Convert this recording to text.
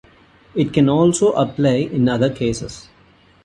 It can also apply in other cases.